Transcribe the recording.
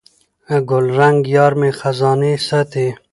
ګلرنګه یارمي خزانې ساتي